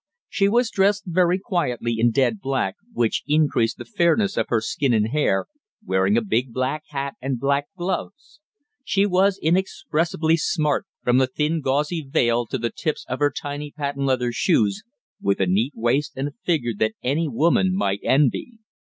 She was dressed very quietly in dead black, which increased the fairness of her skin and hair, wearing a big black hat and black gloves. She was inexpressibly smart, from the thin gauzy veil to the tips of her tiny patent leather shoes, with a neat waist and a figure that any woman might envy.